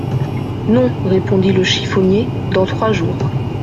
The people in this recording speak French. Non, répondit le chiffonnier, dans trois jours.